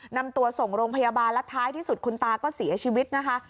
นำตัวส่งโรงพยาบาลและท้ายที่สุดคุณตาก็เสียชีวิตนะคะ